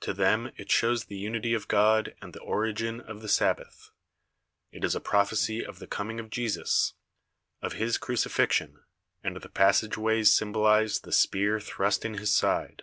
To them it shows the unity of God and the origin of the Sab bath; it is a prophecy of the coming of Jesus, of His crucifixion, and the passageways symbolize the spear thrust in His side.